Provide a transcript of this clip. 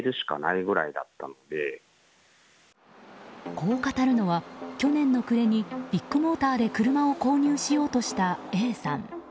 こう語るのは去年の暮れにビッグモーターで車を購入しようとしたＡさん。